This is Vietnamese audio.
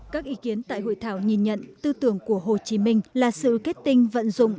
các ý kiến tại hội thảo nhìn nhận tư tưởng của hồ chí minh là sự kết tinh vận dụng